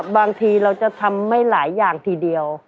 บางทีเราจะทำไม่หลายอย่างทีเดียว